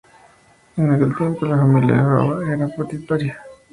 En aquel tiempo la familia Fava era la propietaria, de ahí el nombre.